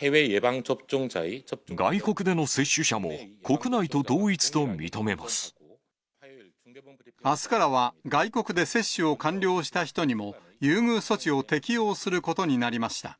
外国での接種者も、国内と同あすからは、外国で接種を完了した人にも、優遇措置を適用することになりました。